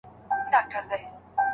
سترگې په خوبونو کې راونغاړه